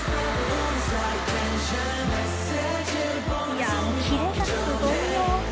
いやあもうキレがすごいよ。